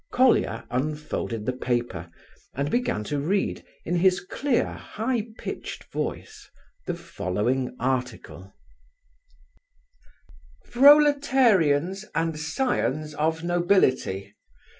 Colia unfolded the paper, and began to read, in his clear, high pitched voice, the following article: "Proletarians and scions of nobility!